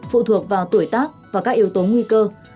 phụ thuộc vào tuổi tác và các yếu tố nguy cơ